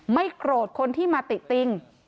ไม่โกรธคนที่มาติติง